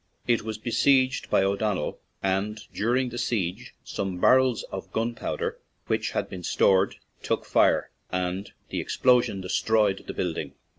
It was besieged by O'Donnell, and during the siege some barrels of gunpowder which had been stored took fire and the explosion destroyed the building.